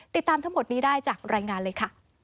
ติดตามทั้งหมดนี้ได้จากรายงานเลยค่ะ